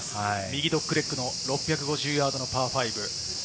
右ドッグレッグの６５０ヤード、パー５。